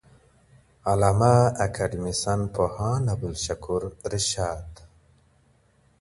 د علامه اکاډيميسن پوهاند عبدالشکور رشاد